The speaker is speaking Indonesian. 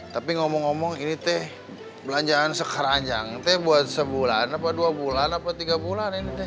tapi ngomong ngomong ini teh belanjaan sekeranjang teh buat sebulan apa dua bulan apa tiga bulan ini teh